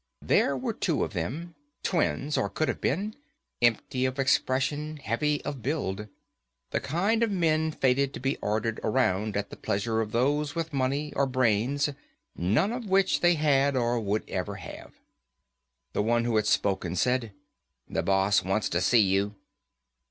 There were two of them. Twins, or could have been. Empty of expression, heavy of build. The kind of men fated to be ordered around at the pleasure of those with money, or brains, none of which they had or would ever have. The one who had spoken said, "The boss wants to see you."